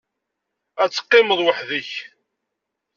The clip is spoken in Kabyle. Ad teqqimeḍ weḥd-k.